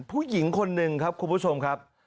ผู้หญิงคนหนึ่งครับคุณผู้ชมครับ